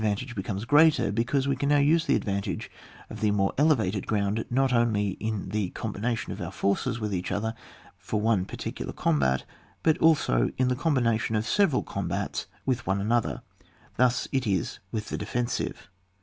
vantages become greater, because we can now use the advantages of the more elevated ground not only in the combi nation of our forces with each other for one particular combat, but also in the combination of several combats with one another. Thus it is with the defensive.